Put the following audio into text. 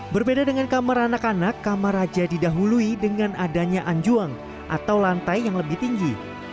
berbeda dengan kamar anak anak kamar raja didahului dengan adanya anjuang atau lantai yang lebih tinggi